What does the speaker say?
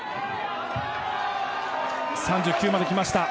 ３９まできました。